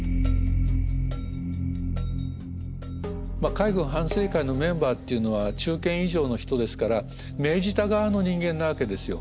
海軍反省会のメンバーっていうのは中堅以上の人ですから命じた側の人間なわけですよ。